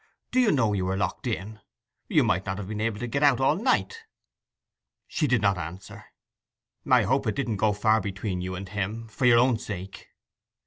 ... Do you know you were locked in? You might not have been able to get out all night.' She did not answer. 'I hope it didn't go far between you and him, for your own sake.